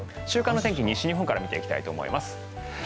週間の天気、西日本から見ていきたいと思います。